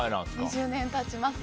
２０年経ちますね。